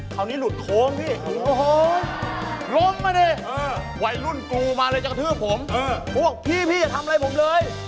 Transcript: คราวนี้หลุดโค้งพี่โอ้โหล้มมาดิวัยรุ่นกูมาเลยจะกระทืบผมพวกพี่พี่อย่าทำอะไรผมเลย